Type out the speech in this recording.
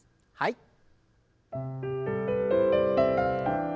はい。